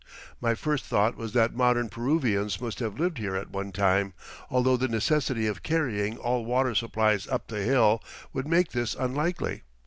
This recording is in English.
My first thought was that modern Peruvians must have lived here at one time, although the necessity of carrying all water supplies up the hill would make this unlikely.